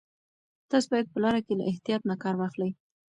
تاسو باید په لاره کې له احتیاط نه کار واخلئ.